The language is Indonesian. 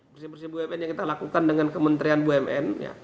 persiap persiap bumn yang kita lakukan dengan kementerian bumn